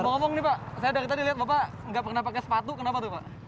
bapak ngomong nih pak saya dari tadi lihat bapak nggak pernah pakai sepatu kenapa tuh pak